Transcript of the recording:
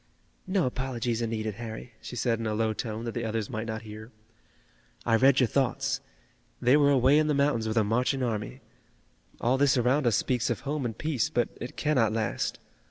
"No apologies are needed, Harry," she said in a low tone that the others might not hear. "I read your thoughts. They were away in the mountains with a marching army. All this around us speaks of home and peace, but it cannot last.